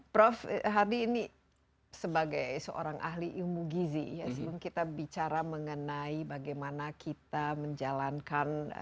prof hadi ini sebagai seorang ahli ilmu gizi ya sebelum kita bicara mengenai bagaimana kita menjalankan